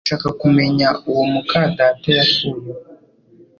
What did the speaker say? Ndashaka kumenya uwo muka data yakuyeho